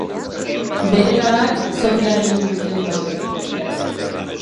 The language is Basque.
Bere lanak Sofia Erregina Museoan daude.